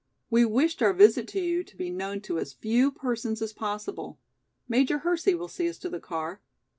We wished our visit to you to be known to as few persons as possible. Major Hersey will see us to the car.